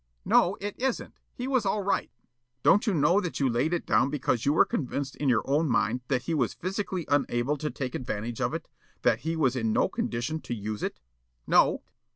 Yollop: "No, it isn't. He was all right." Counsel: "Don't you know that you laid it down because you were convinced in you own mind that he was physically unable to take advantage of it? That he was in no condition to use it?" Yollop: "No."